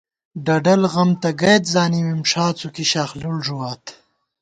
ڈَڈل غم تہ گئیت زانِمېم، ݭا څُوکی شاخلُڑ ݫُوات